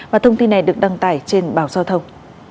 và thông tin này được đăng tải trên báo giao thông